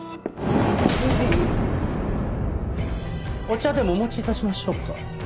お茶でもお持ち致しましょうか。